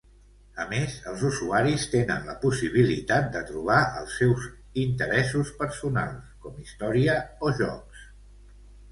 A més, els usuaris tenen la possibilitat de trobar els seus interessos personals, com "Història" o "Jocs".